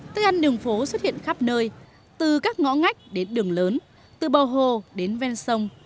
thức ăn đường phố xuất hiện khắp nơi từ các ngõ ngách đến đường lớn từ bờ hồ đến ven sông